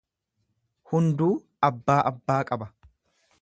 Hunduu abbaa abbaa qaba.